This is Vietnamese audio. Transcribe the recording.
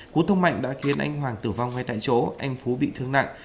cú thông mạnh đã khiến anh hoàng tử vong ngay tại chỗ anh phú bị thương nạn